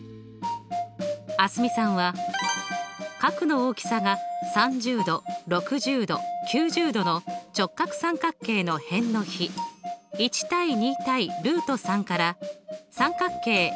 蒼澄さんは角の大きさが３０°６０°９０°の直角三角形の辺の比１：２：ルート３から三角形